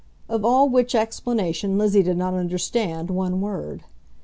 Of all which explanation Lizzie did not understand one word.